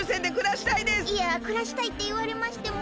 いやくらしたいっていわれましても。